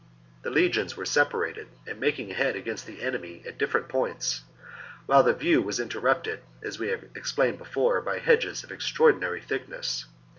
The legions were separated and making head against the enemy at different points ; while the view was interrupted, as we have explained before, by hedges of extraordinary thickness.